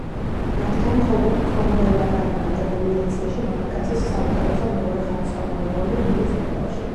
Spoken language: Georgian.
მათგან მხოლოდ კრომველმა გაიმარჯვა ნომინაციაში მამაკაცის საუკეთესო მეორეხარისხოვანი როლი მინი სერიალში.